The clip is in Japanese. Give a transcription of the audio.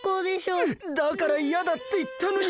うっだからいやだっていったのに。